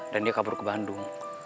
dan dia kabur ke bandung